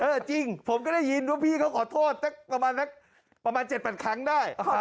จริงผมก็ได้ยินว่าพี่เขาขอโทษสักประมาณ๗๘ครั้งได้